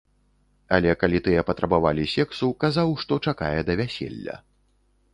Але калі тыя патрабавалі сексу, казаў, што чакае да вяселля.